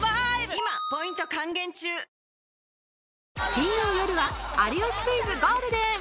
金曜よるは『有吉クイズ』ゴールデン！